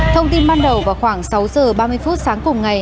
thông tin ban đầu vào khoảng sáu giờ ba mươi phút sáng cùng ngày